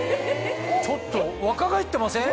ちょっと若返ってません？